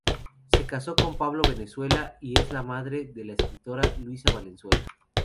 Se casó con Pablo Valenzuela y es la madre de la escritora Luisa Valenzuela.